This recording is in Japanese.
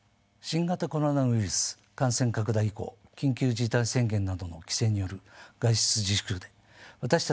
新型コロナウイルス感染拡大以降緊急事態宣言などの規制による外出自粛で私たちの生活は大きく変化しました。